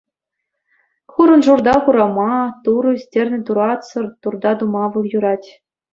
Хурӑншурта хурама —турӑ ӳстернӗ туратсӑр, турта тума вӑл юрать.